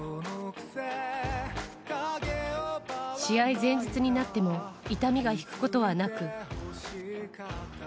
試合前日になっても痛みが引くことはなく。